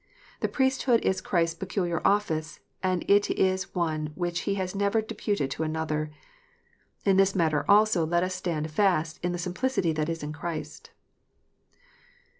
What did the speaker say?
The priesthood is Christ s peculiar office, and it is one which He has never deputed to another. In this matter also let us stand fast in "the simplicity that is in Christ."